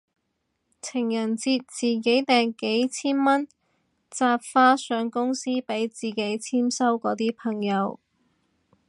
情人節自己訂幾千蚊紮花上公司俾自己簽收嗰啲朋友